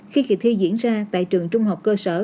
khi kỳ thi diễn ra tại trường trung học cơ sở